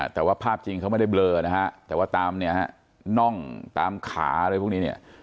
แต่ว่าภาพจริงเขาไม่ได้เบลอนะฮะแต่ว่าตามเนี่ยฮะน่องตามขาอะไรพวกนี้เนี่ย